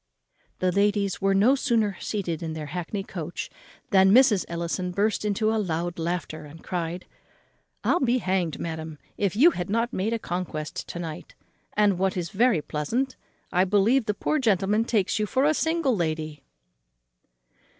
The ladies were no sooner seated in their hackney coach than Mrs. Ellison burst into a loud laughter, and cried, "I'll be hanged, madam, if you have not made a conquest to night; and what is very pleasant, I believe the poor gentleman takes you for a single lady."